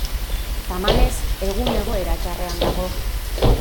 Tamalez, egun egoera txarrean dago.